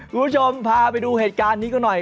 คุณผู้ชมพาไปดูเหตุการณ์นี้ก็หน่อย